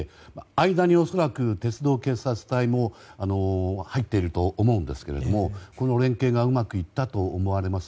間に恐らく鉄道警察隊も入っていると思うんですけれどもこの連携がうまくいったと思われます。